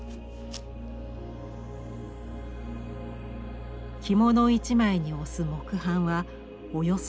着物一枚に押す木版はおよそ３，０００回。